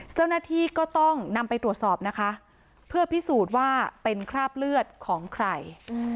เจ้าหน้าที่ก็ต้องนำไปตรวจสอบนะคะเพื่อพิสูจน์ว่าเป็นคราบเลือดของใคร